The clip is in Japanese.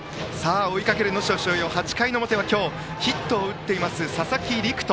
追いかける能代松陽、８回表は今日ヒットを打っている佐々木陸仁。